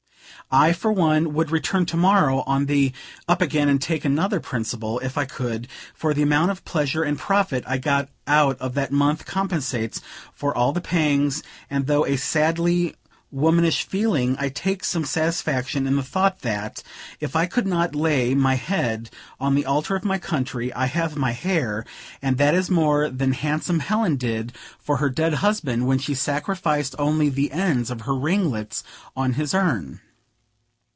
I, for one, would return tomorrow, on the "up again, and take another" principle, if I could; for the amount of pleasure and profit I got out of that month compensates for all after pangs; and, though a sadly womanish feeling, I take some satisfaction in the thought that, if I could not lay my head on the altar of my country, I have my hair; and that is more than handsome Helen did for her dead husband, when she sacrificed only the ends of her ringlets on his urn.